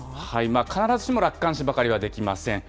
必ずしも楽観視ばかりはできません。